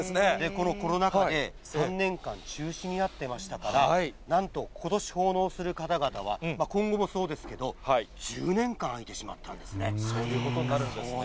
このコロナ禍で、３年間中止になってましたから、なんと、ことし奉納する方々は、今後もそうですけれども、そういうことになるんですね。